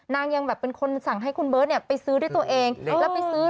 นางยังแบบเป็นคนสั่งให้คุณเบิร์ตเนี่ยไปซื้อด้วยตัวเองแล้วไปซื้อ